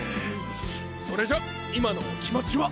それじゃ今のお気持ちは？